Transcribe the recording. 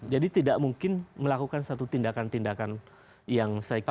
jadi tidak mungkin melakukan satu tindakan tindakan yang saya kira patah